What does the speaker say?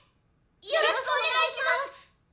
よろしくお願いします！